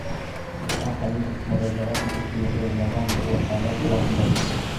Рөстәм Хәмитов мөрәжәғәт итеүселәргә ярҙам буласағы тураһында әйтте.